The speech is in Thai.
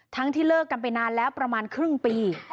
ที่เลิกกันไปนานแล้วประมาณครึ่งปี